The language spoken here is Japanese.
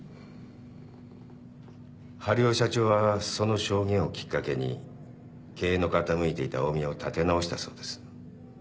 治代社長はその証言をきっかけに経営の傾いていた近江屋を立て直したそうです。